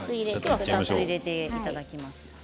２つ入れていただきます。